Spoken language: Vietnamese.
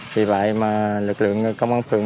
vì vậy mà lực lượng công an phường